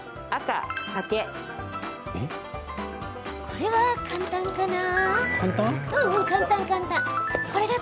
これは、簡単かな？